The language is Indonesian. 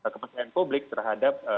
kepertian publik terhadap